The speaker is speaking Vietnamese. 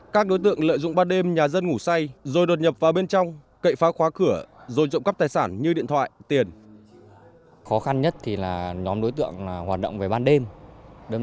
các đối tượng lợi dụng ban đêm nhà dân ngủ say rồi đột nhập vào bên trong cậy phá khóa cửa rồi trộm cắp tài sản như điện thoại tiền